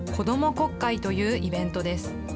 国会というイベントです。